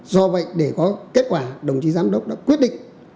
do vậy để có kết quả đồng chí giám đốc đã quyết định